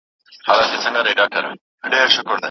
د يتيم په سر لاس نيول ثواب لري.